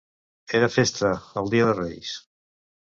Era festa, el dia de Reis.